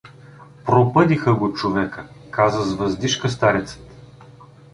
— Пропъдиха го човека — каза с въздишка старецът.